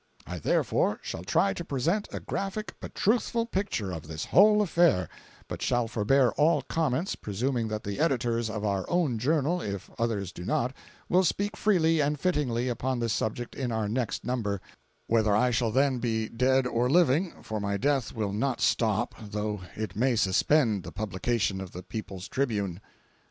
I therefore shall try to present a graphic but truthful picture of this whole affair, but shall forbear all comments, presuming that the editors of our own journal, if others do not, will speak freely and fittingly upon this subject in our next number, whether I shall then be dead or living, for my death will not stop, though it may suspend, the publication of the PEOPLE'S TRIBUNE.